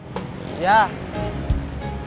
saya udah lulus sma